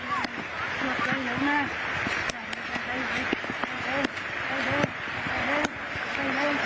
โอ้ยล้มล้มล้มมาทุกวันแล้วล้ม